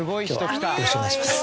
よろしくお願いします。